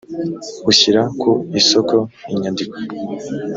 ushyira ku isoko inyandiko